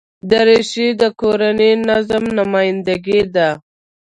دریشي د کورني نظم نماینده ده.